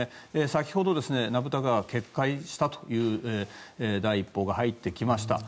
先ほど名蓋川が決壊したという第一報が入ってきました。